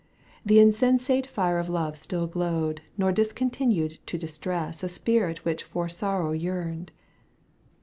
The insensate fire of love still glowed Nor discontinued to distress A spirit which for sorrow yearned.